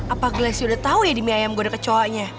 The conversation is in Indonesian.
apa glassio udah tahu ya di mie ayam gue ada kecoanya